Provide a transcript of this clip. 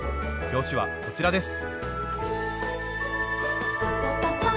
表紙はこちらです